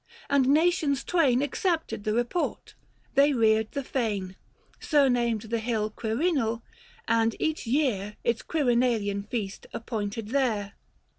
And nations twain 540 Accepted the report : they reared the fane, Surnamed the hill Quirinal, and each year Its Quirinalian feast appointed there.